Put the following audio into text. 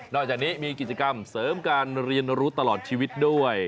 อกจากนี้มีกิจกรรมเสริมการเรียนรู้ตลอดชีวิตด้วย